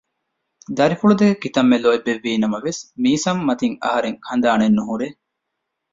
ދަރިފުޅު ދެކެ ކިތަންމެ ލޯތްބެއްވީ ނަމަވެސް މީސަމް މަތިން އަހަރެން ހަނދާނެއް ނުހުރޭ